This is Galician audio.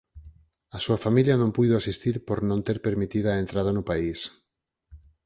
A súa familia non puido asistir por non ter permitida a entrada no país.